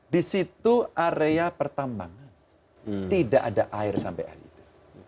di situ area pertambangan tidak ada air sampai hari itu